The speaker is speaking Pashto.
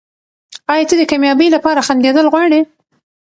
ایا ته د کامیابۍ لپاره خندېدل غواړې؟